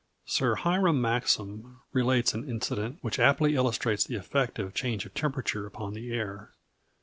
Sir Hiram Maxim relates an incident which aptly illustrates the effect of change of temperature upon the air.